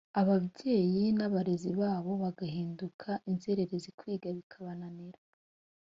ababyeyi n abarezi babo bagahinduka inzererezi kwiga bikabananira